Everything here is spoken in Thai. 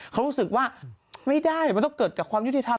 เขารู้สึกว่าไม่ได้มันต้องเกิดจากความยุติธรรม